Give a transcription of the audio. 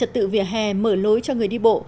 trật tự vỉa hè mở lối cho người đi bộ